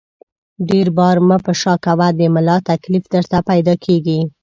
ډېر بار مه په شا کوه ، د ملا تکلیف درته پیدا کېږي!